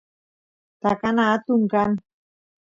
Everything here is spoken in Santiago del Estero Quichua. takana atun kan